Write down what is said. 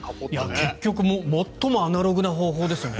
結局最もアナログな方法ですよね。